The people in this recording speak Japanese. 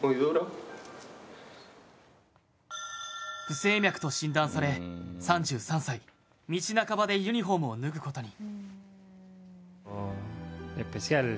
不整脈と診断され３３歳、道半ばでユニホームを脱ぐことに。